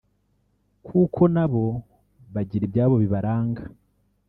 kuko nabo bagira ibyabo bibaranga